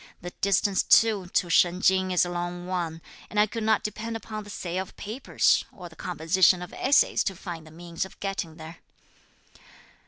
The distance too to Shen Ching is a long one, and I could not depend upon the sale of papers or the composition of essays to find the means of getting there."